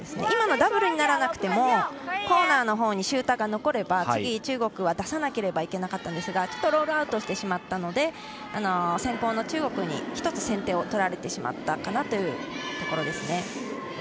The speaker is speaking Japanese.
今の、ダブルにならなくてもコーナーのほうにシューターが残れば次、中国は出さなければいけなかったんですがロールアウトしてしまったので先攻の中国に１つ先手を取られてしまったかなというところです。